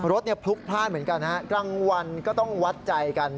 รถพลุกพลาดเหมือนกันฮะกลางวันก็ต้องวัดใจกัน